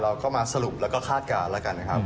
เราก็มาสรุปแล้วก็คาดการณ์แล้วกันนะครับ